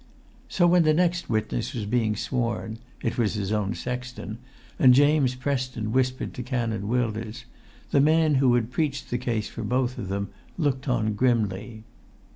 So when the next witness was being sworn (it[Pg 154] was his own sexton), and James Preston whispered to Canon Wilders, the man who had preached for both of them looked on grimly.